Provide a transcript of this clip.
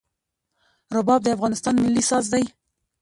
رباب د افغانستان ملي ساز دی.